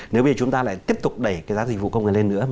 nếu bây giờ chúng ta lại tiếp tục đẩy cái giá dịch vụ công nghệ lên nữa